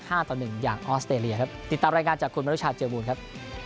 ต่อหนึ่งอย่างออสเตรเลียครับติดตามรายงานจากคุณมนุชาเจอบูลครับ